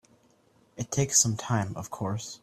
It takes time of course.